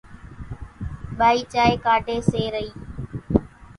ٻائِي چائيَ ڪاڍيَ سي رئِي۔